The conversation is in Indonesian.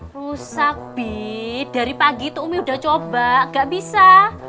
rusak bi dari pagi itu umi udah coba gak bisa